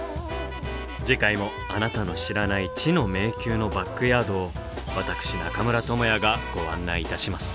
次回もあなたの知らない「知の迷宮」のバックヤードを私中村倫也がご案内いたします。